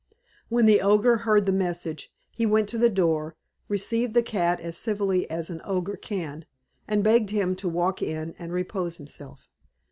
When the Ogre heard this message, he went to the door, received the cat as civilly as an Ogre can, and begged him to walk in and repose himself.